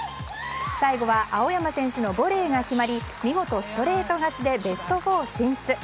最後は青山選手のボレーが決まり見事、ストレート勝ちでベスト４進出。